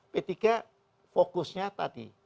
p tiga fokusnya tadi